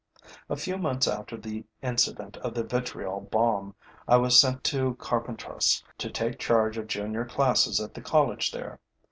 A few months after the incident of the vitriol bomb, I was sent to Carpentras to take charge of junior classes at the college there.